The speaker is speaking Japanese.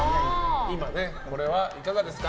これはいかがですか？